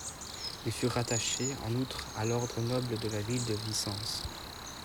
Ils furent rattachés, en outre, à l'ordre noble de la ville de Vicence.